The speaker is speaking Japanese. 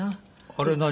あれ何？